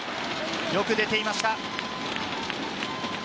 よく出ていました。